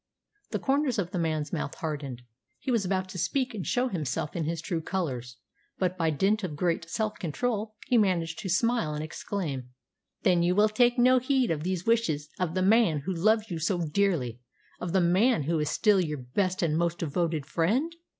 The corners of the man's mouth hardened. He was about to speak and show himself in his true colours; but by dint of great self control he managed to smile and exclaim, "Then you will take no heed of these wishes of the man who loves you so dearly, of the man who is still your best and most devoted friend?